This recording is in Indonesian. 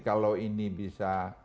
kalau ini bisa